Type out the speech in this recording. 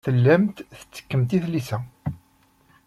Tellamt tettekkemt i tlisa.